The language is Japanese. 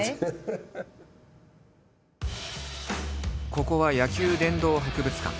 ここは野球殿堂博物館。